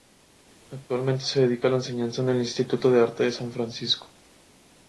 Actualmente se dedica a la enseñanza en el Instituto de Arte de San Francisco.